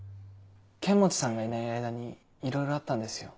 剣持さんがいない間にいろいろあったんですよ。